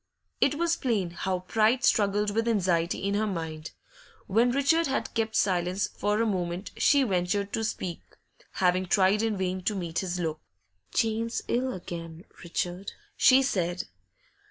It was plain how pride struggled with anxiety in her mind. When Richard had kept silence for a moment, she ventured to speak, having tried in vain to meet his look. 'Jane's ill again, Richard,' she said.